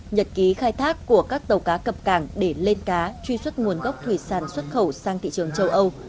nhật ký khai thác của các tàu cá cập cảng để lên cá truy xuất nguồn gốc thủy sản xuất khẩu sang thị trường châu âu